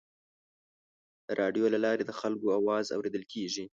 د راډیو له لارې د خلکو اواز اورېدل کېږي.